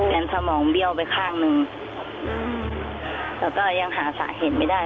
สมองเบี้ยวไปข้างหนึ่งแล้วก็ยังหาสาเหตุไม่ได้